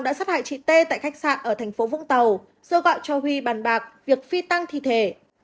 đã sát hại chị t tại khách sạn ở thành phố vũng tàu rồi gọi cho huy bàn bạc việc phi tăng thi thể